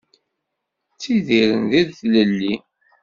Ttidiren di tlelli.